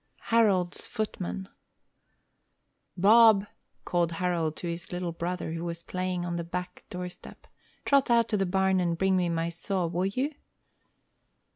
HAROLD'S FOOTMAN "Bob," called Harold to his little brother, who was playing on the back door step, "trot out to the barn and bring me my saw, will you?"